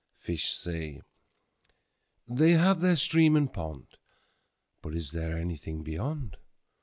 5Fish say, they have their Stream and Pond;6But is there anything Beyond?